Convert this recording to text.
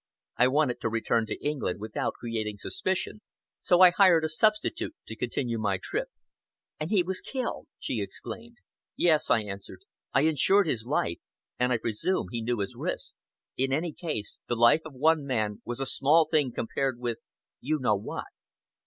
I wanted to return to England without creating suspicion, so I hired a substitute to continue my trip." "And he was killed?" she exclaimed. "Yes!" I answered. "I insured his life, and I presume he knew his risks. In any case, the life of one man was a small thing compared with you know what."